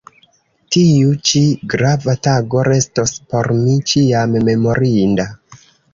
Tiu ĉi grava tago restos por mi ĉiam memorinda.